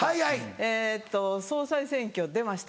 えっと総裁選挙出ました